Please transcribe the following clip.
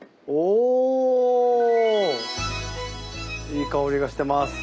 いい香りがしてます！